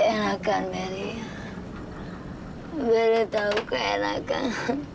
nari gue udah tahu keenakan